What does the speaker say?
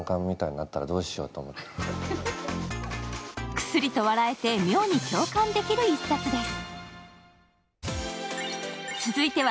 くすりと笑えて妙に共感できる一冊です。